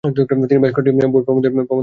তিনি বেশ কয়েকটি বই প্রবন্ধের প্রকাশ করেছেন।